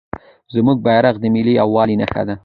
زموږ بیرغ د ملي یووالي نښه ده.